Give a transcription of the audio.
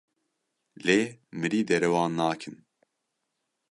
Lê mirî derewan nakin.